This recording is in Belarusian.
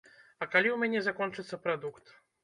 А калі ў мяне закончыцца прадукт?